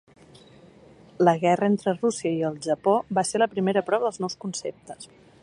La guerra entre Rússia i el Japó va ser la primera prova dels nous conceptes.